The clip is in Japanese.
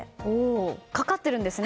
かかっているんですね。